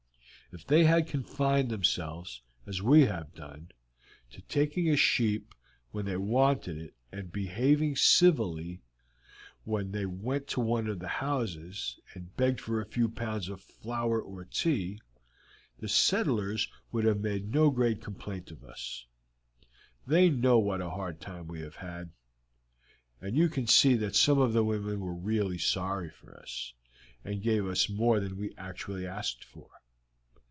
If they had confined themselves, as we have done, to taking a sheep when they wanted it, and behaving civilly when they went to one of the houses and begged for a few pounds of flour or tea, the settlers would have made no great complaint of us; they know what a hard time we have had, and you can see that some of the women were really sorry for us, and gave us more than we actually asked for.